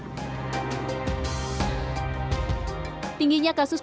tingginya kasus kekerasan terhadap perempuan adalah kekerasan fisik